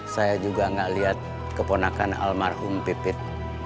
saya juga gak lihat keponakan almarhum pipit